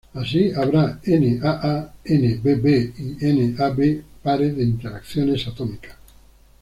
Así, habrá Naa, Nbb y Nab pares de interacciones atómicas.